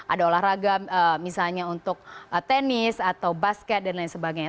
ada olahraga misalnya untuk tenis atau basket dan lain sebagainya